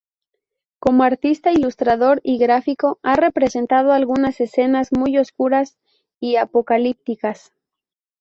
Como artista ilustrador y gráfico, ha representando algunas escenas muy oscuras y apocalípticas.